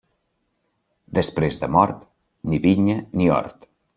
Després de mort, ni vinya ni hort.